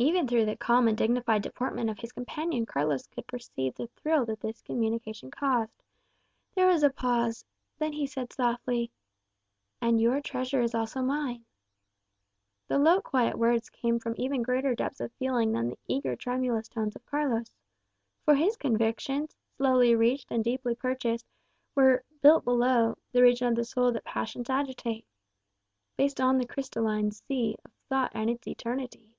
Even through the calm and dignified deportment of his companion Carlos could perceive the thrill that this communication caused. There was a pause; then he said softly, "And your treasure is also mine." The low quiet words came from even greater depths of feeling than the eager tremulous tones of Carlos. For his convictions, slowly reached and dearly purchased, were "built below" the region of the soul that passions agitate, "Based on the crystalline sea Of thought and its eternity."